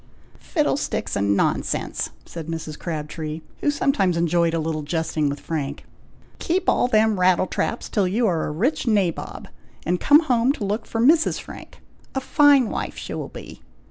"Fiddlesticks and nonsense!" said Mrs. Crabtree, who sometimes enjoyed a little jesting with Frank. "Keep all them rattle traps till you are a rich nabob, and come home to look for Mrs. Frank, a fine wife she will be!